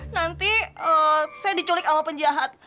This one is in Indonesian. nanti eh saya diculik awal penjahat